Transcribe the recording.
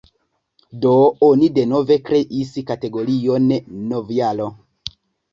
Do, oni denove kreis kategorion "novjaro".